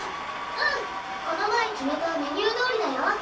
うんこの前決めたメニューどおりだよ。